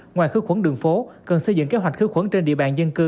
ngoài khử khuẩn đường phố cần xây dựng kế hoạch khử khuẩn trên địa bàn dân cư